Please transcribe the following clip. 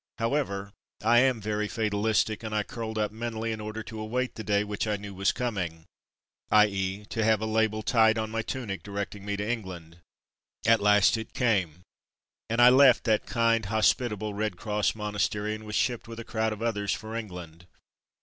How ever, I am very fatalistic, and I curled up mentally in order to await the day which I knew was coming, i. ^., to have a label tied on my tunic directing me to England. At last it came, and I left that kind, hospit able Red Cross monastery and was shipped with a crowd of others for England.